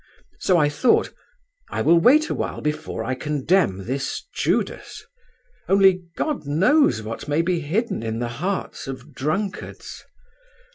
So I thought, 'I will wait awhile before I condemn this Judas. Only God knows what may be hidden in the hearts of drunkards.